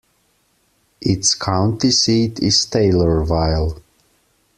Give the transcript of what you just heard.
Its county seat is Taylorville.